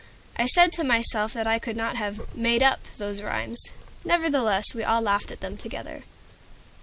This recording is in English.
I said to myself that I could not have "made up" those rhymes. Nevertheless we all laughed at them together.